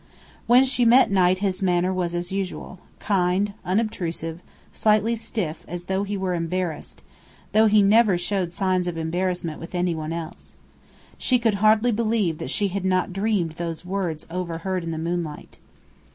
When she met Knight his manner was as usual: kind, unobtrusive, slightly stiff, as though he were embarrassed though he never showed signs of embarrassment with any one else. She could hardly believe that she had not dreamed those words overheard in the moonlight.